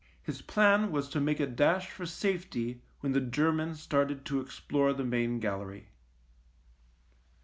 His plan was to make a dash for safety when the Ger man started to explore the main galley.